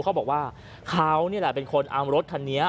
เขาบอกว่าเขานี่แหละเป็นคนเอารถคันนี้